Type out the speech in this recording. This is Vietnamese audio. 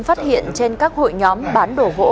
phát hiện trên các hội nhóm bán đồ gỗ